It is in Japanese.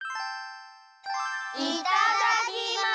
いただきます！